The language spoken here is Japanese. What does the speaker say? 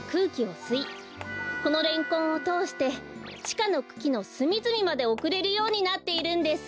このレンコンをとおしてちかのくきのすみずみまでおくれるようになっているんです。